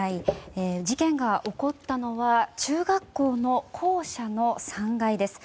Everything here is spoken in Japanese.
事件が起こったのは中学校の校舎の３階です。